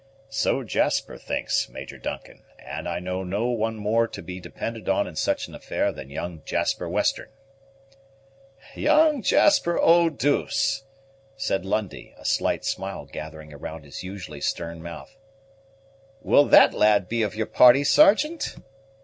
"So Jasper thinks, Major Duncan; and I know no one more to be depended on in such an affair than young Jasper Western." "Young Jasper Eau douce!" said Lundie, a slight smile gathering around his usually stern mouth. "Will that lad be of your party, Sergeant?"